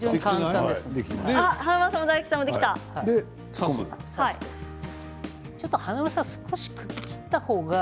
華丸さんも大吉さんもできた。